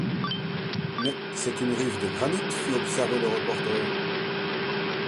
Mais c’est une rive de granit ! fit observer le reporter